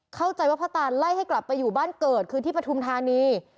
เข้าใจว่าพ่อตานไล่ให้กลับไปอยู่บ้านเกิดคือที่ปฐุมธานี